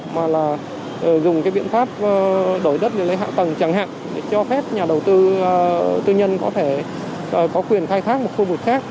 mà là dùng cái biện pháp đổi đất liền lấy hạ tầng chẳng hạn để cho phép nhà đầu tư tư nhân có thể có quyền khai thác một khu vực khác